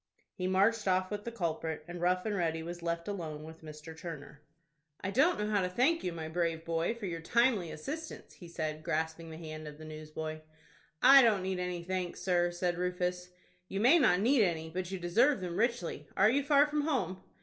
He marched off with the culprit, and Rough and Ready was left alone with Mr. Turner. "I don't know how to thank you, my brave boy, for your timely assistance," he said, grasping the hand of the newsboy. "I don't need any thanks, sir," said Rufus. "You may not need any, but you deserve them richly. Are you far from home?"